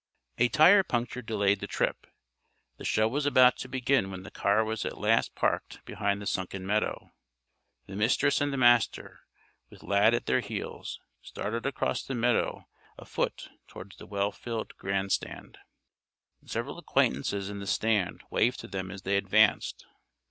A tire puncture delayed the trip. The show was about to begin when the car was at last parked behind the sunken meadow. The Mistress and the Master, with Lad at their heels, started across the meadow afoot toward the well filled grand stand. Several acquaintances in the stand waved to them as they advanced.